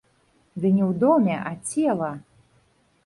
Ды не ў доме, а цела!